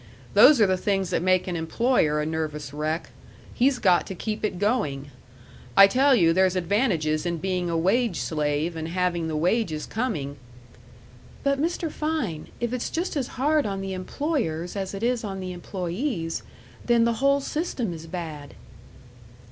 Those are the things that make an employer a nervous wreck. He's got to keep it going. I tell you there's advantages in being a wage slave and having the wages coming " "But, Mr. Fein, if it's just as hard on the employers as it is on the employees, then the whole system is bad."